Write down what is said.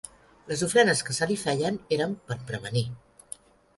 Les ofrenes que se li feien eren per prevenir.